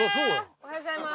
おはようございます！